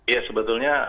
ya sebetulnya sidang etik